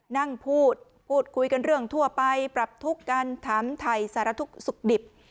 นั่งพูดพูดคุยกันเรื่องทั่วไปปรับทุกข์กันถามไทยสารทุกข์สุขดิบ